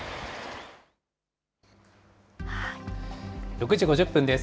６時５０分です。